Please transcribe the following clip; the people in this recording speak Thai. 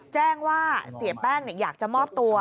แจ้งว่าเสียแป้งอยากจะมอบตัว